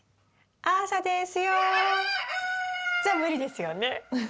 じゃ無理ですよね。